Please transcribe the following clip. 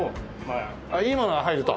ああいいものが入ると。